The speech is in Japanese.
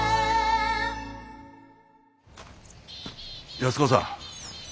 安子さん。